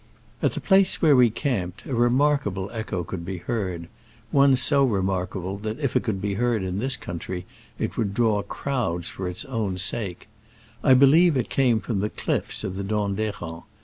At the place where we were camped a remarkable echo could be heard (one so remarkable that if it could be heard in this country it would draw crowds for its own sake) : I believe it came from the cliffs of the Dent d'H6rens.